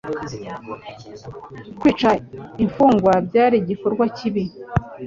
Kwica imfungwa byari igikorwa kibi.